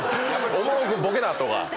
おもろくボケな！とか。